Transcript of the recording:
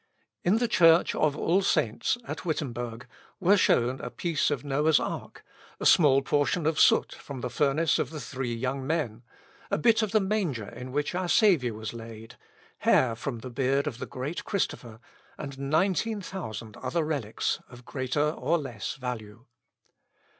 In the Church of All Saints at Wittemberg were shown a piece of Noah's Ark, a small portion of soot from the furnace of the Three Young Men, a bit of the manger in which our Saviour was laid, hair from the beard of the great Christopher, and nineteen thousand other relics of greater or less value.